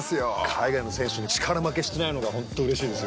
海外の選手に力負けしてないのが本当うれしいですよね。